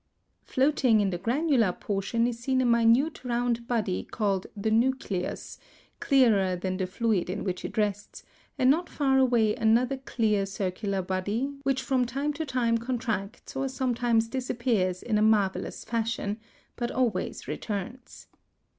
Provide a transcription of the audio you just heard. ] Floating in the granular portion is seen a minute round body called the nucleus, clearer than the fluid in which it rests, and not far away another clear, circular body, which from time to time contracts or sometimes disappears in a marvelous fashion, but always returns.